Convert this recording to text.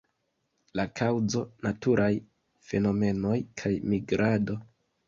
La kaŭzo: naturaj fenomenoj kaj migrado.